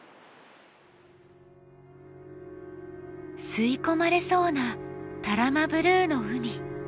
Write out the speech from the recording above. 吸い込まれそうな多良間ブルーの海。